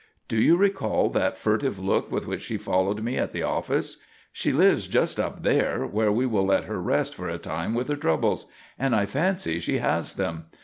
"Do you recall that furtive look with which she followed me at the office? She lives just up there, where we will let her rest for a time with her troubles. And I fancy she has them.